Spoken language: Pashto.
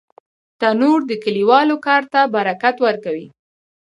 تنور د کلیوالو کار ته برکت ورکوي